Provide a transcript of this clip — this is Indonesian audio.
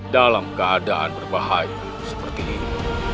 dalam keadaan berbahaya seperti ini